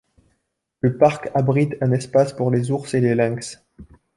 Le parc abrite un espace pour les ours et les lynx.